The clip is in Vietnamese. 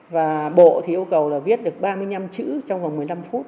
và bộ thì yêu cầu là viết được ba mươi năm chữ trong vòng một mươi năm phút